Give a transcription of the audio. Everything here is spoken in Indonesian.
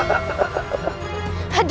baik gusti ratu